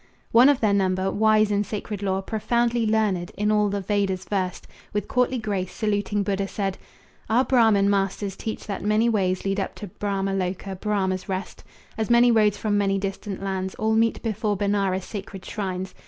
One of their number, wise in sacred lore, Profoundly learned, in all the Vedas versed, With courtly grace saluting Buddha, said: "Our Brahman masters teach that many ways Lead up to Brahma Loca, Brahma's rest, As many roads from many distant lands All meet before Benares' sacred shrines.